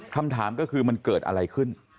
คำถามก็คือมันเกิดอะไรขึ้น